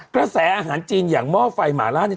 เกษตรอาหารจีนอย่างหม้อไฟหม้อล่า